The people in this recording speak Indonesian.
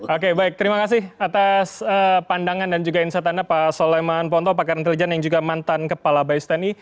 oke baik terima kasih atas pandangan dan juga insight anda pak soleman ponto pakar intelijen yang juga mantan kepala bais tni